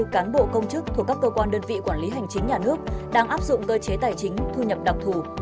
hai mươi cán bộ công chức thuộc các cơ quan đơn vị quản lý hành chính nhà nước đang áp dụng cơ chế tài chính thu nhập đặc thù